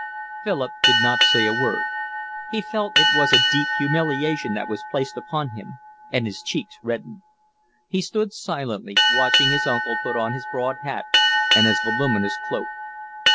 Philip did not say a word. He felt it was a deep humiliation that was placed upon him, and his cheeks reddened. He stood silently watching his uncle put on his broad hat and his voluminous cloak.